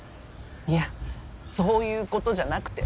いやそういう事じゃなくて。